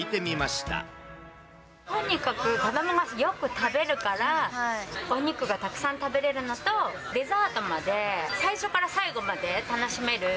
子どもたちがよく食べるから、お肉がたくさん食べれるのと、デザートまで最初から最後まで楽しめる。